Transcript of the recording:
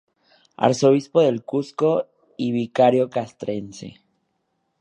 Arzobispo del Cusco y Vicario castrense.